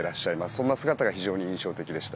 そんな姿が非常に印象的でした。